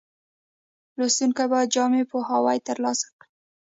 لوستونکي باید جامع پوهاوی ترلاسه کړي.